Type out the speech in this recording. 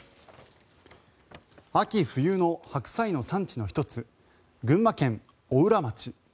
秋冬の白菜の産地の１つ群馬県邑楽町。